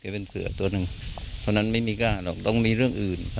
เกี่ยวเป็นเสือเทอร์ตัวหนึ่งเพราะงั้นไม่มีกล้าต้องมีเรื่องอื่น